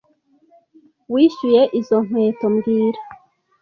Wishyuye izo nkweto mbwira